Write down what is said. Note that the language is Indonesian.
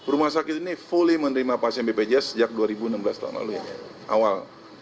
rumah sakit ini fully menerima pasien bpjs sejak dua ribu enam belas tahun lalu ya awal